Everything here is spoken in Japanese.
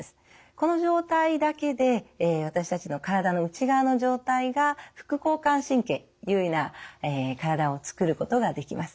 この状態だけで私たちの体の内側の状態が副交感神経優位な体を作ることができます。